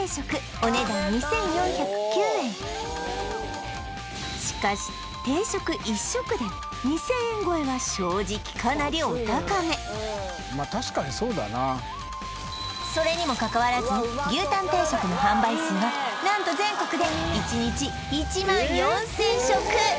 お値段２４０９円しかし定食１食で２０００円超えは正直かなりお高めそれにもかかわらず牛たん定食の販売数は何と全国で１日１万４０００食